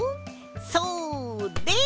それ！